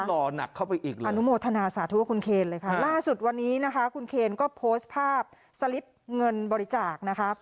ห่อหนักเข้าไปอีกเลยอนุโมทนาสาธุคุณเคนเลยค่ะล่าสุดวันนี้นะคะคุณเคนก็โพสต์ภาพสลิปเงินบริจาคนะคะ